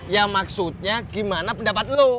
ya maksudnya gimana pendapat lo